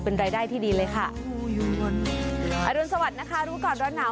เป็นรายได้ที่ดีเลยค่ะอรุณสวัสดิ์นะคะรู้ก่อนร้อนหนาว